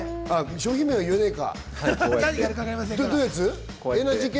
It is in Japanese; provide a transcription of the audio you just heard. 商品名は言えないか？